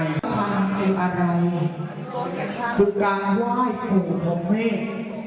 ความคืออะไรคือการไหว้ภูตมเมฆ